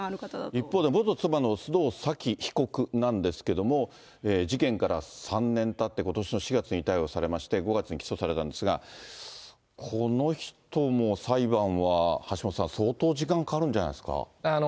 一方で元妻の須藤早貴被告なんですけれども、事件から３年たって、ことしの４月に逮捕されまして、５月に起訴されたんですが、この人も裁判は橋下さん、相当時間かかるんじゃないですか。